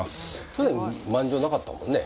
去年満場なかったもんね